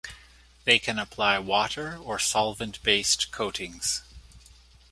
They can apply water- or solvent-based coatings.